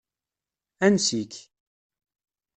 Ansi-k.